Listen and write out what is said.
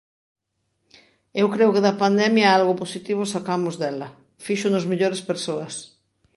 Eu creo que da pandemia algo positivo sacamos dela: fíxonos mellores persoas.